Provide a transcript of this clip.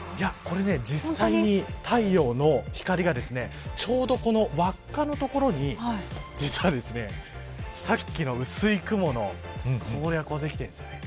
これ実際に太陽の光がちょうどこの輪っかの所に実は、先の薄い雲のこれができてるんですね。